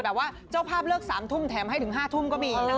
เจ้าภาพเลิก๓ทุ่มแถมให้ถึง๕ทุ่มก็มี